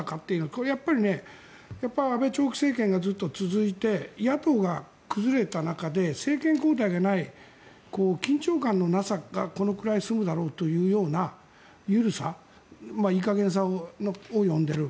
これは安倍長期政権がずっと続いて野党が崩れた中で政権交代がない緊張感のなさがこのくらいで済むだろうというような緩さいい加減さを呼んでいる。